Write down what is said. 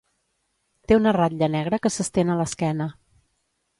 Té una ratlla negra que s'estén a l'esquena.